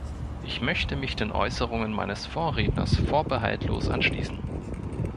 Ich möchte mich den Äußerungen meines Vorredners vorbehaltlos anschließen.